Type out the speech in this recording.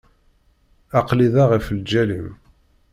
Aql-i da ɣef lǧal-im.